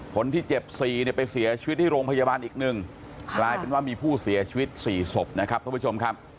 คนที่เจ็บ๔เนี่ยไปเสียชีวิตที่โรงพยาบาลอีก๑กลายเป็นว่ามีผู้เสียชีวิต๔ศพนะครับท่านผู้ชมครับ